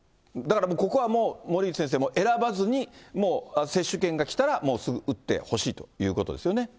だからここはもう、森内先生、もう選ばずに、もう接種券が来たら、もうすぐ打ってほしいということですよね。